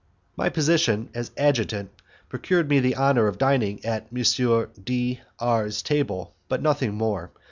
My position as adjutant procured me the honour of dining at M. D R 's table, but nothing more.